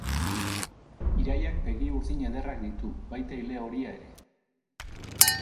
Iraiak begi urdin ederrak ditu, baita ile horia ere.